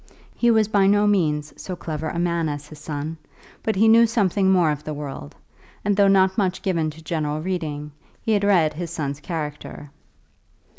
He was by no means so clever a man as his son, but he knew something more of the world, and though not much given to general reading, he had read his son's character.